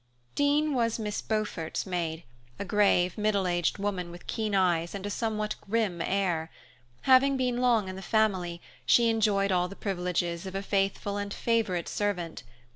Dean was Miss Beaufort's maid, a grave, middle aged woman with keen eyes and a somewhat grim air. Having been long in the family, she enjoyed all the privileges of a faithful and favorite servant.